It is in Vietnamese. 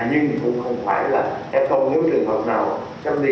nhưng cũng không phải là f nếu trường hợp nào chấp đi